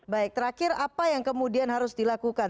baik terakhir apa yang kemudian harus dilakukan